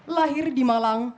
lahir di malang